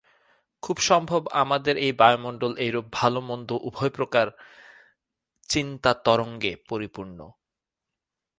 খুব সম্ভব আমাদের এই বায়ুমণ্ডল এইরূপ ভাল-মন্দ উভয় প্রকার চিন্তাতরঙ্গে পরিপূর্ণ।